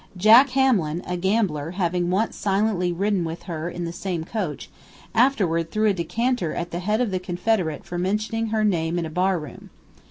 Jack Hamlin, a gambler, having once silently ridden with her in the same coach, afterward threw a decanter at the head of a confederate for mentioning her name in a barroom.